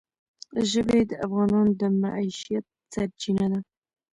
ژبې د افغانانو د معیشت سرچینه ده.